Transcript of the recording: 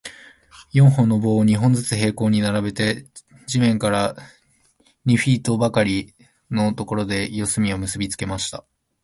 四本の棒を、二本ずつ平行に並べて、地面から二フィートばかりのところで、四隅を結びつけました。